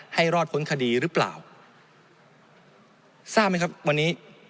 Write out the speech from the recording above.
รอดพ้นคดีหรือเปล่าทราบไหมครับวันนี้